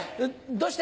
どうして？